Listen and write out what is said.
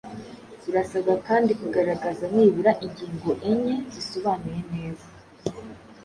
Urasabwa kandi kugaragaza nibura ingingo enye zisobanuye neza